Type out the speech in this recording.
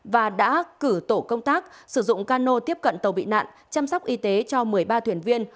và đã cử tổ công tác sử dụng cano tiếp cận tàu bị nạn chăm sóc y tế cho một mươi ba thuyền viên